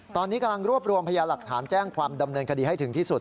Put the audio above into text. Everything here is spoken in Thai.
ตอนนี้กำลังรวบรวมพยาหลักฐานแจ้งความดำเนินคดีให้ถึงที่สุด